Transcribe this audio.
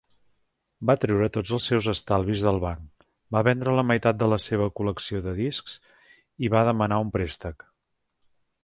Va treure tots els seus estalvis del banc, va vendre la meitat de la seva col·lecció de discs i va demanar un préstec.